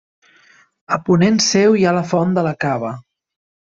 A ponent seu hi ha la Font de la Cava.